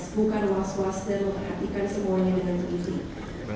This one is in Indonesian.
bukan was was dan memperhatikan semuanya dengan sedikit